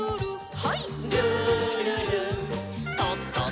はい。